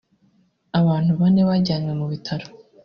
abantu bane bajyanywe mu bitaro